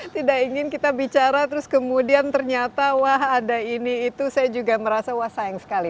tidak ingin kita bicara terus kemudian ternyata wah ada ini itu saya juga merasa wah sayang sekali